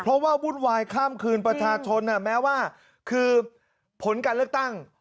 เพราะว่าวุ่นวายข้ามคืนประชาชนแม้ว่าคือผลการเลือกตั้ง